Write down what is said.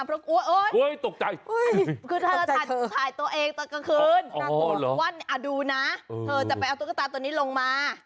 เพราะกลัวเอ้ยตกใจคือเธอถ่ายตัวเองตอนกลางคืนวันดูนะเธอจะไปเอาตุ๊กตาตัวนี้ลงมา